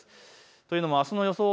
というのもあすの予想